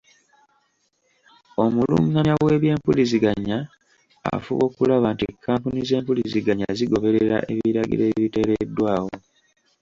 Omulungamya w'ebyempuliziganya afuba okulaba nti kkampuni z'empuliziganya zigoberera ebiragiro ebiteereddwawo.